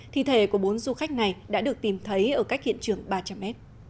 thi thể của bốn du khách này đã được tìm thấy ở cách hiện trường ba trăm linh m